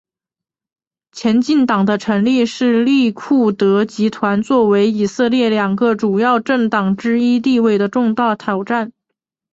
前进党的成立是利库德集团作为以色列两个主要政党之一地位的重大挑战。